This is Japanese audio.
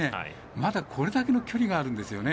まだこれだけの距離があるんですよね。